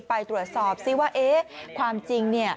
ไปตรวจสอบซิว่าความจริง